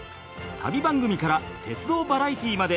旅番組から鉄道バラエティーまで！